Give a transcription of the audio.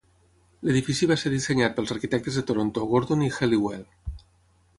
L'edifici va ser dissenyat pels arquitectes de Toronto Gordon i Helliwell.